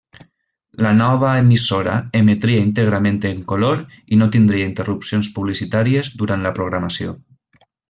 La nova emissora emetria íntegrament en color i no tindria interrupcions publicitàries durant la programació.